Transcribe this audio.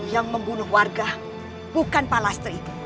yang membunuh warga bukan pak lastri